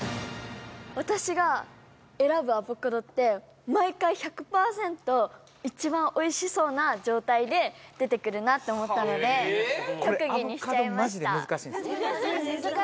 私が選ぶアボカドって毎回１００％一番おいしそうな状態で出てくるなって思ったので特技にしちゃいました